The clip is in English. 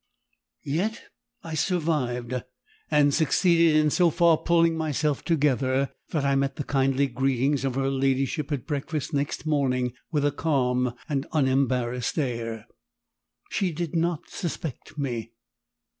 Yet I survived and succeeded in so far pulling myself together, that I met the kindly greeting of her ladyship at breakfast next morning with a calm and unembarrassed air. She did not suspect me.